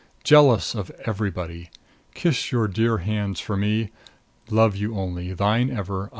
Jealous of everybody. Kiss your dear hands for me. Love you only. Thine ever.